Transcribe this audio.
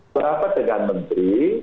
berapas dengan menteri